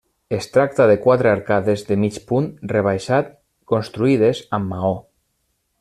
Es tracta de quatre arcades de mig punt rebaixat construïdes amb maó.